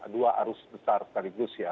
dua arus besar sekaligus ya